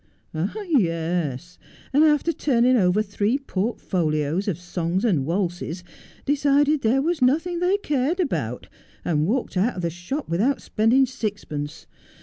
'Yes, and after turning over three portfolios of songs and waltzes decided there was nothing they cared about, and walked out of the shop without spending sixpence.